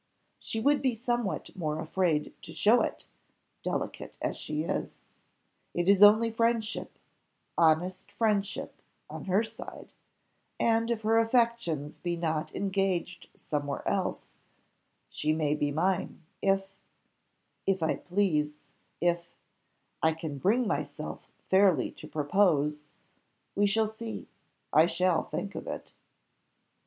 She would be somewhat more afraid to show it, delicate as she is. It is only friendship honest friendship, on her side; and if her affections be not engaged somewhere else she may be mine: if if I please if I can bring myself fairly to propose we shall see I shall think of it."